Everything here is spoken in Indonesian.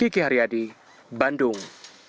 kiki haryadi bandung